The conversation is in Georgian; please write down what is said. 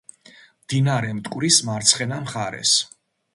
მდინარე მტკვრის მარცხენა მხარეს.